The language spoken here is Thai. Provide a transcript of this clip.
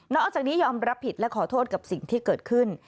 จากนี้ยอมรับผิดและขอโทษกับสิ่งที่เกิดขึ้น